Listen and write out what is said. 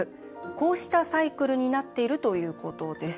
こうしたサイクルになっているということです。